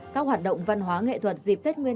các hoạt động văn hóa nghệ thuật dịp tết nguyên